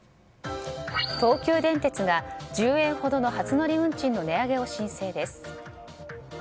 東急電鉄が１０円ほどの初乗り運賃の値上げを申請です。